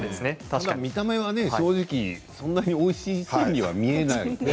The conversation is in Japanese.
見た目は正直そんなにおいしそうには見えない。